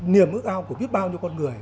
niềm ước ao của biết bao nhiêu con người